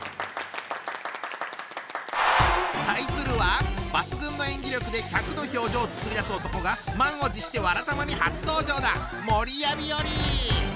対するは抜群の演技力で百の表情を作り出す男が満を持して「わらたま」に初登場だ！